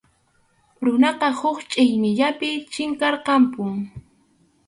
Runaqa huk chʼillmiyllapi chinkarqapun.